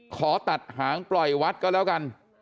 ขอตัดหางปล่อยวัดก็แล้วกัน